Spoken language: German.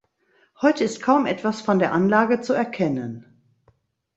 Heute ist kaum etwas von der Anlage zu erkennen.